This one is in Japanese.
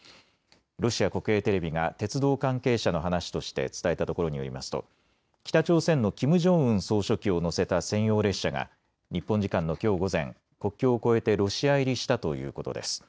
ロシア国営テレビが鉄道関係者の話として伝えたところによりますと北朝鮮のキム・ジョンウン総書記を乗せた専用列車が日本時間のきょう午前、国境を越えてロシア入りしたということです。